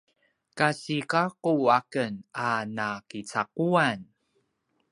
kasi gakku aken a nakicaquan